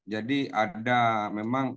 jadi ada memang